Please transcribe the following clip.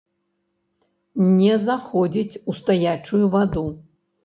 Не заходзіць у стаячую ваду.